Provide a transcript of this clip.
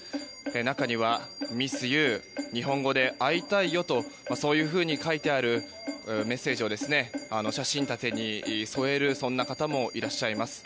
中には、ミス・ユー日本語で会いたいよとそういうふうに書いてあるメッセージを写真立てに添える方もいらっしゃいます。